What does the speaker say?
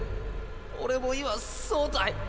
俺も今そうたい！